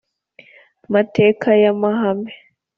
mateka ya mahame